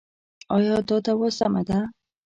ایا دا دوا سمه ده؟